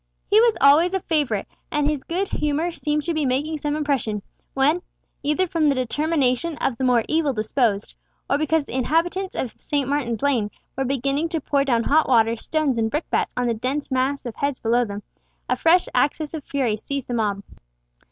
He was always a favourite, and his good humour seemed to be making some impression, when, either from the determination of the more evil disposed, or because the inhabitants of St. Martin's Lane were beginning to pour down hot water, stones, and brickbats on the dense mass of heads below them, a fresh access of fury seized upon the mob.